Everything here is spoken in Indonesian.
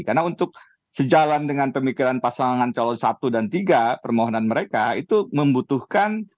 karena untuk sejalan dengan pemikiran pasangan calon satu dan tiga permohonan mereka itu membutuhkan